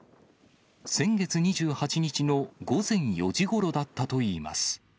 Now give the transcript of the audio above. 先月２８日の午前４時ごろだったといいます。